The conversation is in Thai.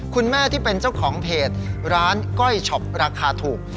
ที่เป็นเจ้าของเพจร้านก้อยช็อปราคาถูก